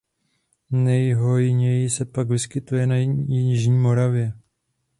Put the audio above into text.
Nejhojněji se pak vyskytuje na jižní Moravě.